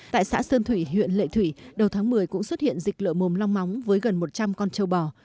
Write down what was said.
tại xã sơn thủy huyện lệ thủy đầu tháng một mươi cũng xuất hiện dịch lở mồm long móng với gần một trăm linh con trâu bò